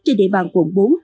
trên địa bàn quận bốn